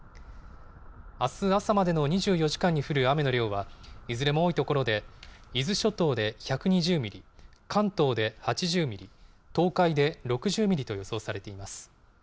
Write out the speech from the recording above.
あす朝までの２４時間に降る雨の量はいずれも多い所で、伊豆諸島で１２０ミリ、関東で８０ミリ、東海で６０ミリと予想されています。